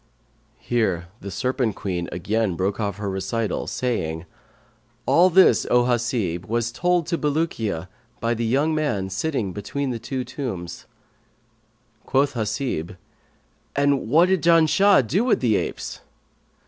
Here the Serpent queen again broke off her recital saying, "All this, O Hasib, was told to Bulukiya by the young man sitting between the two tombs." Quoth Hasib, "And what did Janshah do with the apes?"